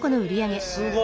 えすごい！